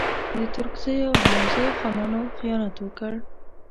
د ترکزیو او حلیمزیو خانانو خیانت وکړ.